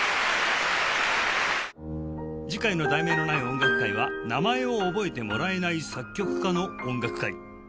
次回の『題名のない音楽会』は「名前を覚えてもらえない作曲家の音楽会」